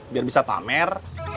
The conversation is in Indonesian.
biar bisa tamer